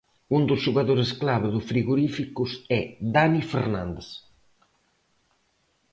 Un dos xogadores clave do Frigoríficos é Dani Fernández.